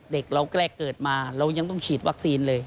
เด็กเราแรกเกิดมาเรายังต้องฉีดวัคซีนเลย